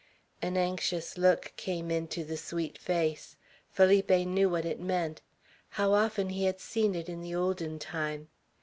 An anxious look came into the sweet face. Felipe knew what it meant. How often he had seen it in the olden time.